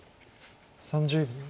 ３０秒。